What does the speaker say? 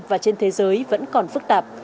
và trên thế giới vẫn còn phức tạp